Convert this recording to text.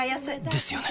ですよね